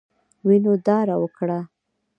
وینو داره وکړه.